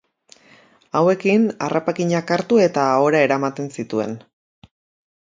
Hauekin harrapakinak hartu eta ahora eramaten zituen.